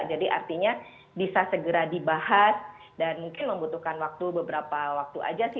jadi artinya bisa segera dibahas dan mungkin membutuhkan waktu beberapa waktu saja sih